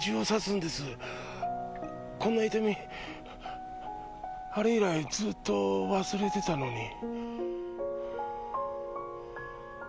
こんな痛みあれ以来ずっと忘れてたのに。